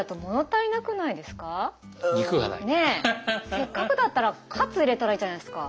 せっかくだったらカツ入れたらいいじゃないですか。